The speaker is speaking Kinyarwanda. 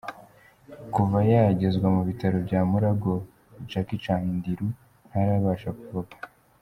Kuva yagezwa mu Bitaro bya Mulago, Jackie Chandiru ntarabasha kuvuga.